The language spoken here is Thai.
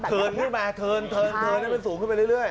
เทินขึ้นมาเทินเทินให้มันสูงขึ้นไปเรื่อย